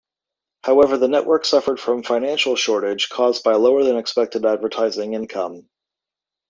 However, the network suffered from financial shortage caused by lower-than-expected advertising income.